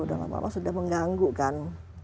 dan lama lama sudah mengganggu kan